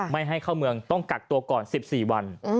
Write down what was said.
ไม่ให้เข้าเมืองต้องกักตัวก่อน๑๔วัน